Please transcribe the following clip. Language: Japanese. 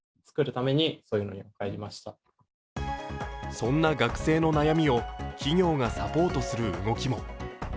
そんな学生の悩みを企業がサポートする動きも。